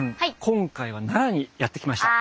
今回は奈良にやって来ました。